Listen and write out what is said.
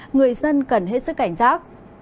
người dân cần hết sức cảnh giác